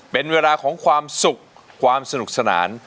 เป็นเวลาของความสุขความสนุกสนาน